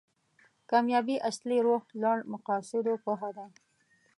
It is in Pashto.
کامیابي اصلي روح لوړ مقاصدو پوهه ده.